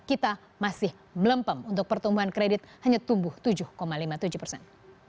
kita masih melempem untuk pertumbuhan kredit hanya tumbuh tujuh lima puluh tujuh persen